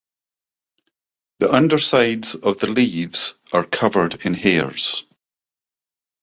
The undersides of the leaves are covered in hairs.